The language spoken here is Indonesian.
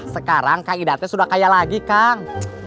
sekarang kak idate sudah kaya lagi kang